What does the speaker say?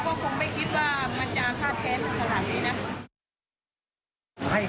คนที่ทำคนที่ดีนะ